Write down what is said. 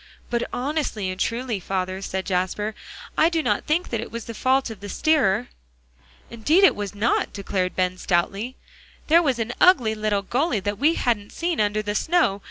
"But honestly and truly, father," said Jasper, "I do not think that it was the fault of the steerer." "Indeed it was not," declared Ben stoutly; "there was an ugly little gully that we hadn't seen under the snow.